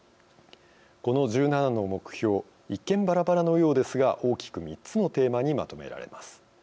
この１７の目標一見、ばらばらのようですが大きく３つのテーマにまとめられます。